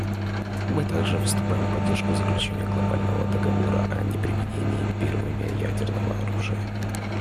Мы также выступаем в поддержку заключения глобального договора о неприменении первыми ядерного оружия.